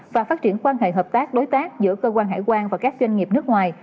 và phát triển quan hệ hợp tác đối tác giữa cơ quan hải quan và các doanh nghiệp nước ngoài